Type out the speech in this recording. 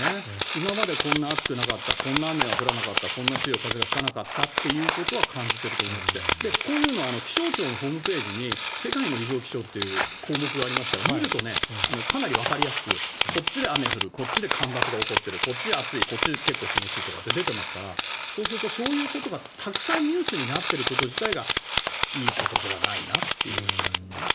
今までこんな暑くなかったこんな雨は降らなかったこんな強い風は吹かなかったって感じていると思ってこういうのは気象庁のホームページに世界の異常気象っていう項目がありますから見るとかなりわかりやすくこっちで雨が降るこっちで干ばつこっちが暑いこっちは涼しいって出てますからそういうことがたくさんニュースになってること自体がいいことではないなという気がするんだよね。